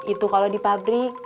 itu kalau di pabrik